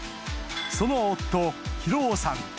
その夫裕夫さん